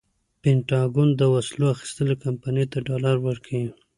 پنټاګون د وسلو اخیستنې کمپنۍ ته ډالر ورکړي.